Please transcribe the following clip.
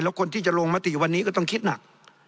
แล้วคนที่จะลงมติวันนี้ก็ต้องคิดหนัก